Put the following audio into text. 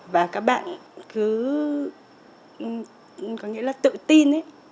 và các bạn cứ có nghĩa là tự tin